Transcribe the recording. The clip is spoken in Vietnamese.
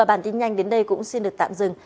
bản tin nhanh đến đây cũng xin được tạm dừng